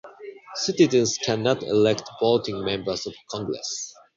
Citizens cannot elect voting members of Congress.